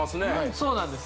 そうなんです